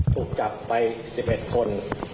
ถูกจับไป๑๑คน